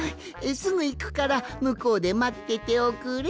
すぐいくからむこうでまってておくれ。